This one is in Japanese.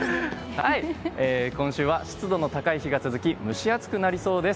今週は、湿度の高い日が続き蒸し暑くなりそうです。